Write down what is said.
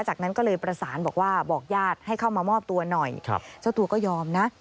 จากนั้นก็เลยประสานบอกว่าบอกญาติให้เข้ามามอบตัวหน่อยเจ้าตัวก็ยอมนะ